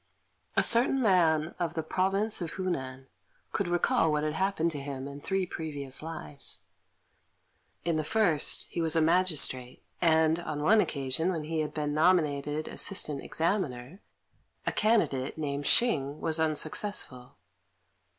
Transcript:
A certain man of the province of Hunan could recall what had happened to him in three previous lives. In the first, he was a magistrate; and, on one occasion, when he had been nominated Assistant Examiner, a candidate, named Hsing, was unsuccessful.